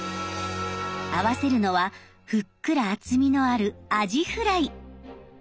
合わせるのはふっくら厚みのあるアジフライ。